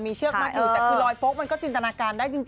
เชือกมัดอยู่แต่คือรอยฟกมันก็จินตนาการได้จริง